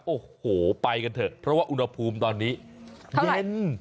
โอ้โหไปกันเถอะเพราะว่าอุณหภูมิตอนนี้เย็น